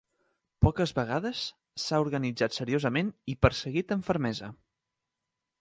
Poques vegades s'ha organitzat seriosament i perseguit amb fermesa.